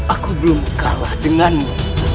aku belum kalah denganmu